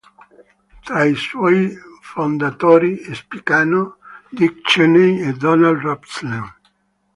Tra i suoi fondatori spiccano Dick Cheney e Donald Rumsfeld.